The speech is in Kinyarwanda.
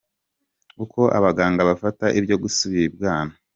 Uko abaganga bafata ibyo gusubira ibwana.